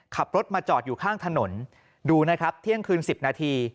ขับรถมาจอดอยู่ข้างถนนดูนะครับเที่ยงคืน๑๐นาที